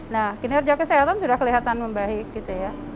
nah kinerja kesehatan sudah kelihatan membaik gitu ya